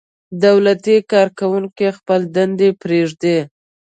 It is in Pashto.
دولتي کارکوونکي خپلې دندې پرېږدي.